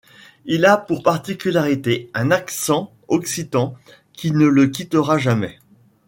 Il a pour particularité un accent occitan qui ne le quittera jamais.